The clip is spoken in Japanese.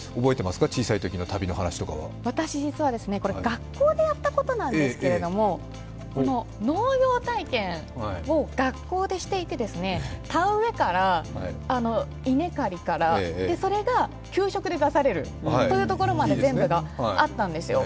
私、実は学校でやったことなんですけど農業体験を学校でしていて、田植えから稲刈りから、それが給食で出されるというところまで全部があったんですよ。